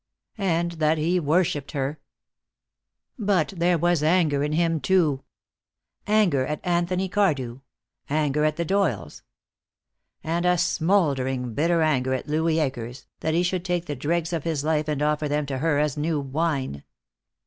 And that he worshiped her. But there was anger in him, too. Anger at Anthony Cardew. Anger at the Doyles. And a smoldering, bitter anger at Louis Akers, that he should take the dregs of his life and offer them to her as new wine.